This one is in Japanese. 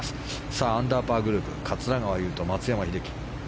さあ、アンダーパーグループには桂川有人、松山英樹。